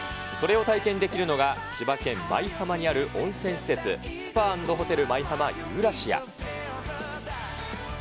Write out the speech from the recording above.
それを体験できるのが、千葉県・舞浜にある温泉施設、スパ＆ホテル舞浜ユーラシア。